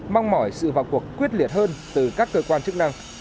mong mỏi sự vào cuộc quyết liệt hơn từ các cơ quan chức năng